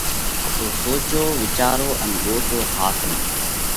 تو سوچو وِيچارو ان ڳوتو ۿاس نئہ!